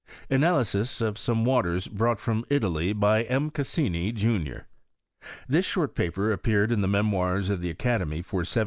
Analysis of some waters brought from Italy by M. Cassini, junior. This short paper appeared ia the Memoirs of the Academy, for 1777.